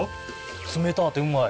冷たぁてうまい。